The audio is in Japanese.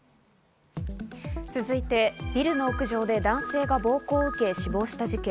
続いて、ビルの屋上で男性が暴行を受け死亡した事件。